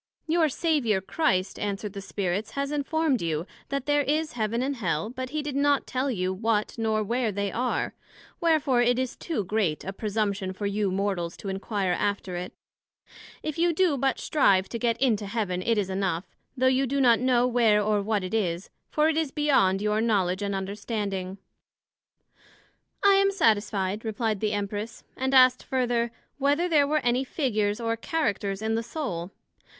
Your Saviour Christ, answered the Spirits, has informed you, that there is Heaven and Hell, but he did not tell you what, nor where they are; wherefore it is too great a presumption for you Mortals to inquire after it: If you do but strive to get into Heaven, it is enough, though you do not know where or what it is; for it is beyond your knowledg and understanding. I am satisfied, replied the Empress; and asked further, Whether there were any Figures or Characters in the Soul?